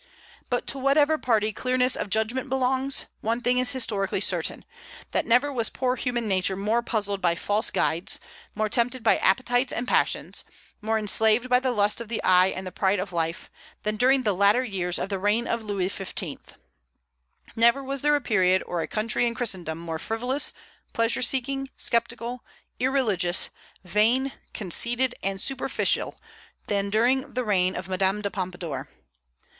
But to whatever party clearness of judgment belongs, one thing is historically certain, that never was poor human nature more puzzled by false guides, more tempted by appetites and passions, more enslaved by the lust of the eye and the pride of life, than during the latter years of the reign of Louis XV. Never was there a period or a country in Christendom more frivolous, pleasure seeking, sceptical, irreligious, vain, conceited, and superficial than during the reign of Madame de Pompadour.